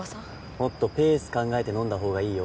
もっとペース考えて飲んだ方がいいよ